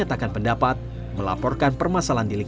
apakah membuang ke sansukan dengan efisien toilet